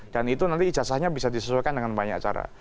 dan itu nanti ijazahnya bisa disesuaikan dengan banyak cara